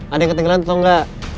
ada yang ketinggalan atau enggak